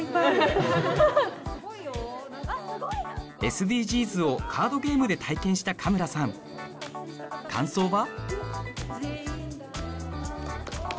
ＳＤＧｓをカードゲームで体験した加村さん感想は？